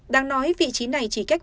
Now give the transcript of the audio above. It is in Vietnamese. đáng nói vị trí này chỉ cách